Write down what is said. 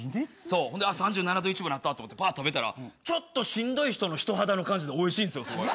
３７度１分なったと思ってぱっと食べたらちょっとしんどい人の人肌の感じでおいしいんですよ。